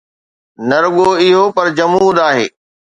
نه رڳو اهو پر جمود آهي.